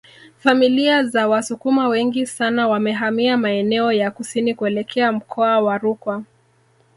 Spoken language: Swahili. Familia za Wasukuma wengi sana wamehamia maeneo ya kusini kuelekea mkoa wa Rukwa